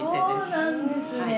そうなんですね。